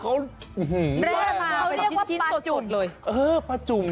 เขาเรียกว่าปลาจุ่ม